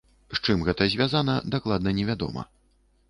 З чым гэта звязана, дакладна невядома.